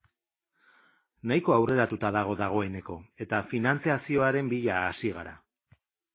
Nahiko aurreratuta dago dagoeneko, eta finantzazioaren bila hasi gara.